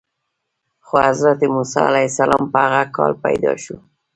خو حضرت موسی علیه السلام په هغه کال پیدا شو.